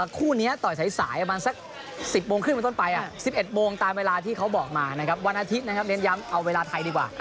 คู่นี้ต่อยสายประมาณสัก๑๐โมงครึ่งเป็นต้นไป๑๑โมงตามเวลาที่เขาบอกมานะครับวันอาทิตย์นะครับเน้นย้ำเอาเวลาไทยดีกว่า